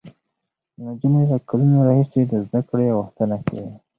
نجونې له کلونو راهیسې د زده کړې غوښتنه کوي.